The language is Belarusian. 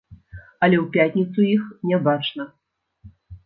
Але ў пятніцу іх не бачна.